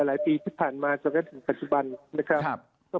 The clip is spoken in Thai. หลายปีที่ผ่านมาจากและถึงปัจจุบันนะครับครับ